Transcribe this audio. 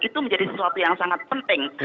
itu menjadi sesuatu yang sangat penting